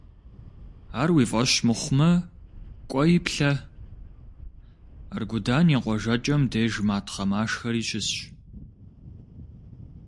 Ар уи фӀэщ мыхъумэ, кӀуэи, плъэ: Аргудан и къуажэкӀэм деж матхъэ-машхэри щысщ.